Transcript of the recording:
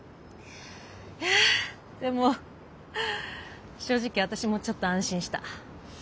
いやでも正直私もちょっと安心した。